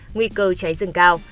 nguy cơ cháy rừng cao